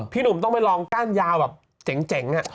พี่หนุ่มต้องไปลองกั้นยาวแบบแจ๋งอะ